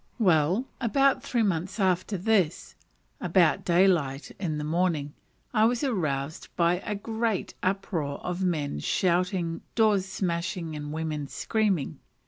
Well, about three months after this, about day light in the morning, I was aroused by a great uproar of men shouting, doors smashing, and women screaming.